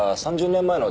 ３０年前の？